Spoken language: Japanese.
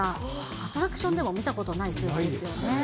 アトラクションでも見たことない数字ですよね。